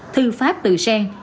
thư pháp từ sen